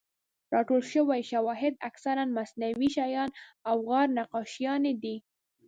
راټول شوي شواهد اکثراً مصنوعي شیان او غار نقاشیانې دي.